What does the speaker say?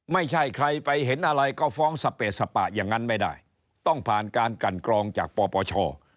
ไม่ใช่ใครไปเห็นอะไรก็ฟ้องสเปดสปะอย่างนั้นไม่ได้ต้องผ่านการกันกรองจากปปช